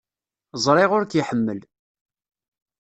Ẓriɣ ur k-iḥemmel.